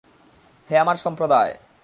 হে আমার সম্প্রদায়!